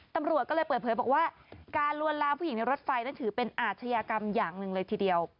ตำรวจก็เลยเปิดเผยบอกว่าการลวนลามผู้หญิงในรถไฟนั้นถือเป็นอาชญากรรมอย่างหนึ่งเลยทีเดียว